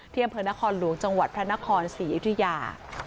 อำเภอนครหลวงจังหวัดพระนครศรีอยุธยา